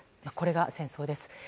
これが戦争です。